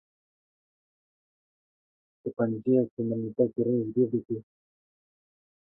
Tu qenciyên ku min li te kirin ji bir dikî.